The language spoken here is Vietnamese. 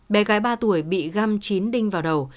bé gái ba tuổi bị găm chín đinh vào đầu